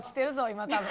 今多分。